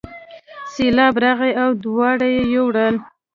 سیلاب راغی او دواړه یې یووړل.